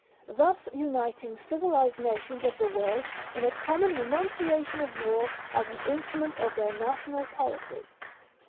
. thus uniting civilised nations of the world in a common renunciation of war as an instrument of their national policy